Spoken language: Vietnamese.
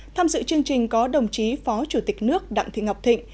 tham dự chương trình có đồng chí phó chủ tịch nước đặng thị ngọc thịnh